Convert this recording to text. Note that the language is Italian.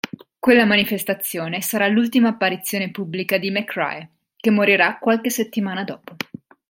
Quella manifestazione sarà l'ultima apparizione pubblica di McRae, che morirà qualche settimana dopo.